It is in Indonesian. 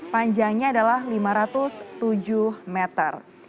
panjangnya adalah lima ratus tujuh meter